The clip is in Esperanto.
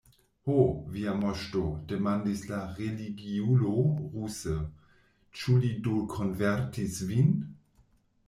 Ho, via moŝto, demandis la religiulo ruse, ĉu li do konvertis vin?